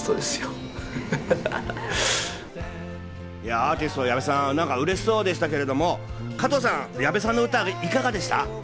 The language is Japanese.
アーティスト・矢部さん、うれしそうでしたけれど、加藤さん、矢部さんの歌、いかがでした？